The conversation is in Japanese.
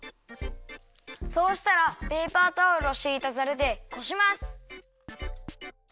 そうしたらペーパータオルをしいたざるでこします。